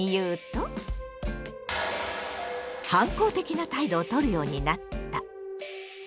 反抗的な態度をとるようになった。